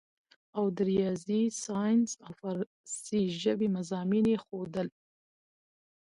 او د رياضي سائنس او فارسي ژبې مضامين ئې ښودل